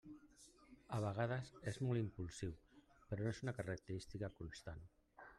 A vegades és molt impulsiu però no és una característica constant.